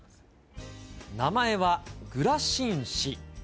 名前はグラシン紙。